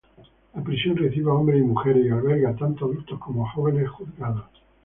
La prisión recibe a hombres y mujeres, y alberga tanto adultos como jóvenes juzgados.